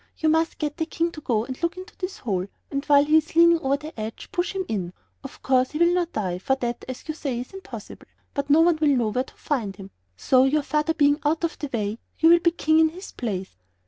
You must get the King to go and look into this hole, and while he is leaning over the edge, push him in. Of course, he will not die, for that, as you say, is impossible; but no one will know where to find him. So, your father being out of the way, you will be king in his place."